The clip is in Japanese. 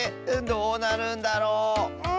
どうなるんだろう？